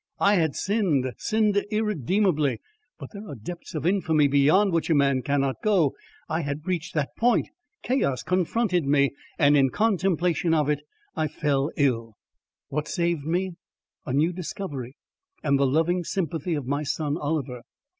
I had sinned, sinned irredeemably but there are depths of infamy beyond which a man cannot go. I had reached that point. Chaos confronted me, and in contemplation of it, I fell ill. What saved me? A new discovery, and the loving sympathy of my son Oliver.